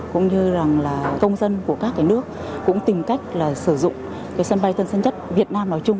cũng như là công dân của các nước cũng tìm cách sử dụng sân bay tân sân nhất việt nam nói chung